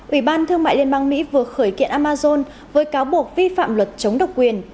ủy ban thương mại liên bang mỹ vừa khởi kiện amazon với cáo buộc vi phạm luật chống độc quyền